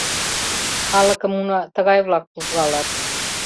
Калыкым уна тыгай-влак пужгалат.